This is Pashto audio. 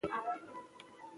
زه د پوهنتون وخت نه ضایع کوم.